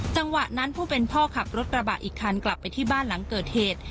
จังหวะนั้นผู้เป็นพ่อขับรถกระบะอีกคันกลับไปที่บ้านหลังเกิดเหตุ